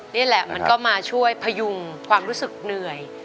นี่แหละมันก็มาช่วยพยุงความรู้สึกเหนื่อย